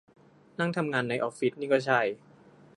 นั่งทำงานในออฟฟิศนี่ก็ใช่